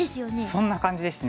そんな感じですね。